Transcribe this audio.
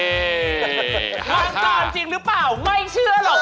มาก่อนจริงหรือเปล่าไม่เชื่อหรอก